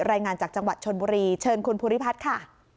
รายงานจากจังหวัดชนบุรีเชิญคุณภูริพัฒน์ค่ะ